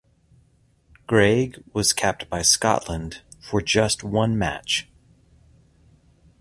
Greig was capped by Scotland for just one match.